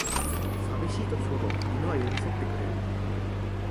さびしい時ほど犬は寄りそってくれる